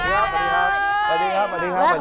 สวัสดีครับ